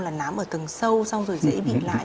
là nám ở tầng sâu xong rồi dễ bị lại